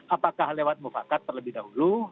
apakah lewat mufakat terlebih dahulu